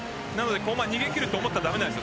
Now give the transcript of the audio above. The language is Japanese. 逃げ切れると思ったら駄目です。